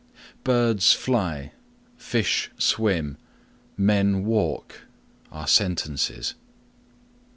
"Birds fly;" "Fish swim;" "Men walk;" are sentences.